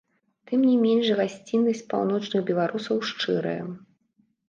Тым не менш гасціннасць паўночных беларусаў шчырая.